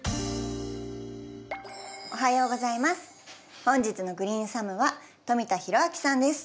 おはようございます。